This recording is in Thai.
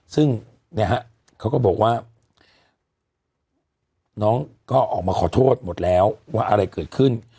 ซึ่งเนี่ยฮะเขาก็บอกว่าน้องก็ออกมาขอโทษหมดแล้วว่าอะไรเกิดขึ้น